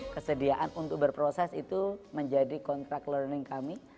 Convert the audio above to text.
kesediaan untuk berproses itu menjadi kontrak learning kami